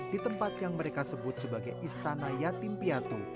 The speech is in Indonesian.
di tempat yang mereka sebut sebagai istana yatim piatu